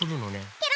ケロ。